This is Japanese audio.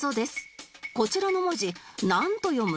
こちらの文字なんと読む？